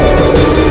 aku sudah menang